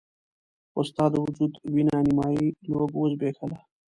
خو ستا د وجود وينه نيمایي لوږو وزبېښله.